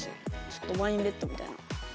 ちょっとワインレッドみたいな。